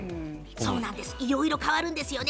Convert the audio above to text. いろいろと変わるんですよね。